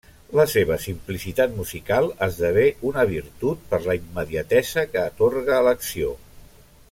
La seva simplicitat musical esdevé una virtut per la immediatesa que atorga a l'acció.